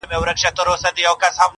سیوری د ولي خوب د پېغلي پر ورنونه-